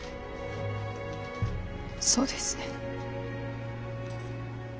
そうですね。